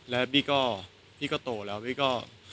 แล้วบี้ก็พี่ก็โตแล้วบี้ก็